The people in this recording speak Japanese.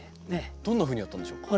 どんなふうにやったんでしょうか？